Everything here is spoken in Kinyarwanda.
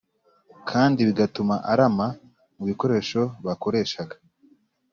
kandi bigatuma arama mu bikoresho bakoreshaga